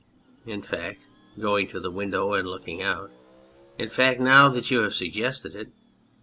In fact (going to the window and looking out) in fact, now that you have suggested it